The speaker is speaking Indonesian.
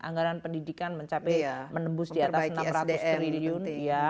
anggaran pendidikan mencapai menembus di atas enam ratus triliun